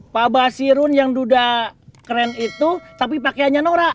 pak basirun yang duda keren itu tapi pake hanya nora